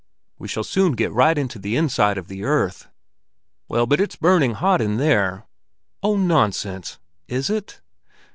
"We shall soon get right into the inside of the earth." "Well, but it's burning hot in there." "Oh, nonsense: is it?"